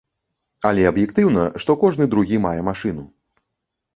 Але аб'ектыўна, што кожны другі мае машыну.